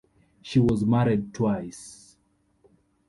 She was married twice.